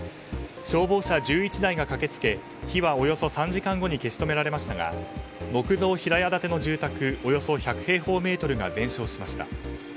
消防車１１台が駆け付け火はおよそ３時間後に消し止められましたが木造平屋建ての住宅およそ１００平方メートルが全焼しました。